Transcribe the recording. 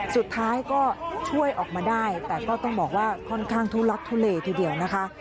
สุดท้ายก็ช่วยออกมาได้แต่ก็ต้องบอกว่าค่อนข้างทุลักทุเลทีเดียวนะคะ